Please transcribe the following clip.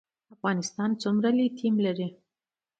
افغانستان څومره لیتیم لري؟